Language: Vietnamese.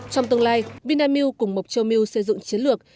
trong tương lai vinamilk cùng mộc châu milk xây dựng chiến lược